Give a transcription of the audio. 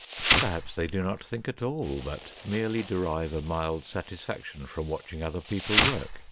Perhaps they do not think at all, but merely derive a mild satisfaction from watching other people work.